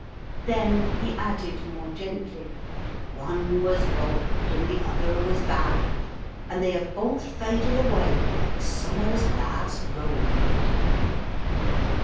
Then he added more gently, " One was bold and the other was bad, and they have both faded away, like sum mer's last rose."